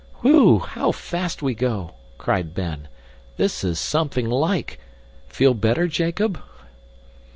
"Whew! How fast we go!" cried Ben. "This is something like! Feel better, Jacob?"